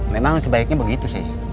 memang sebaiknya begitu sih